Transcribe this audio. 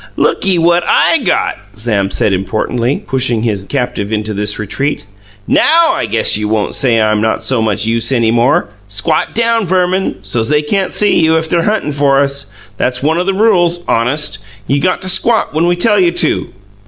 "Looky what I got!" Sam said importantly, pushing his captive into this retreat. "NOW, I guess you won't say I'm not so much use any more! Squat down, Verman, so's they can't see you if they're huntin' for us. That's one o' the rules honest. You got to squat when we tell you to."